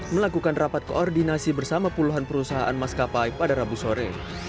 melakukan rapat koordinasi bersama puluhan perusahaan maskapai pada rabu sore